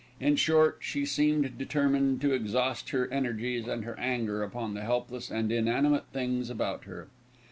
In short, she seemed determined to exhaust her energies and her anger upon the helpless and inanimate things about her.